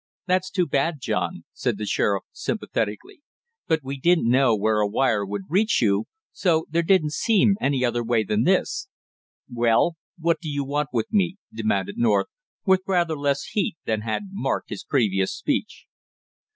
"That's too bad, John," said the sheriff sympathetically, "but we didn't know where a wire would reach you, so there didn't seem any other way than this " "Well, what do you want with me?" demanded North, with rather less heat than had marked his previous speech.